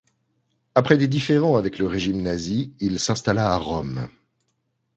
Après des différends avec le régime nazi, il s'installa à Rome.